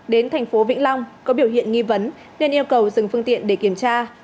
đến thành phố vĩnh long có biểu hiện nghi vấn nên yêu cầu dừng phương tiện để kiểm tra